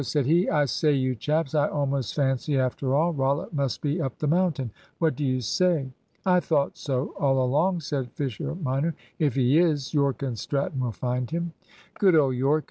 said he; "I say, you chaps, I almost fancy, after all, Rollitt must be up the mountain. What do you say?" "I thought so all along," said Fisher minor. "If he is, Yorke and Stratton will find him." "Good old Yorke!